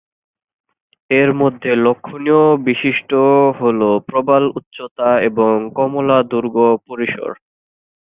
এর মধ্যে লক্ষণীয় বিশিষ্ট হলো প্রবাল উচ্চতা এবং কমলা দুর্গ পরিসর।